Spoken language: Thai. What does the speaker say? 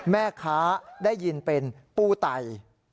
แม่ค้าได้ยินเป็นปูไต